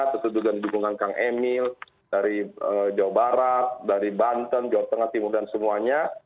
tentu dari dukungan kang emil dari jawa barat dari banten jawa tengah timur dan semuanya